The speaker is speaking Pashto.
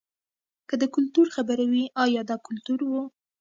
که د کلتور خبره وي ایا دا کلتور و.